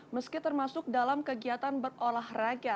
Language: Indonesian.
meski termasuk dalam kegiatan berolahraga